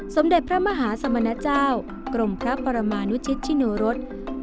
สมเด็จพระมหาสมณเจ้ากรมพระปรมานุชิตชิโนรส